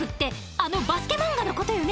あのバスケ漫画の事よね？